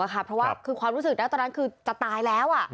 เพราะว่าคือความรู้สึกตอนนั้นคือจะตายแล้ว